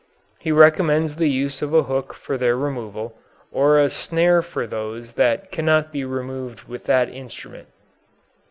He recommends the use of a hook for their removal, or a snare for those that cannot be removed with that instrument.